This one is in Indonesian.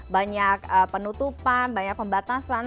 banyak penutupan banyak pembatasan